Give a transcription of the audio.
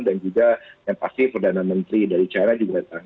dan juga yang pasti perdana menteri dari china juga datang